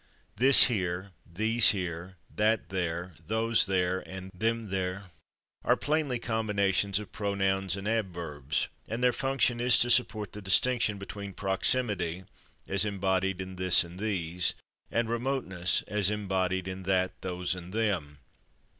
/This here/, /these here/, /that there/, /those there/ and /them there/ are plainly combinations of pronouns and adverbs, and their function is to support the distinction between proximity, as embodied in /this/ and /these/, and remoteness, as embodied in /that/, /those/ and /them